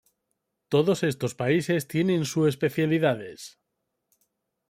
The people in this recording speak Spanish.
Todos estos países tienen su especialidades.